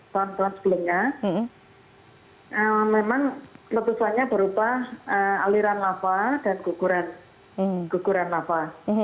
tahun tahun sebelumnya memang letusannya berupa aliran lava dan guguran lava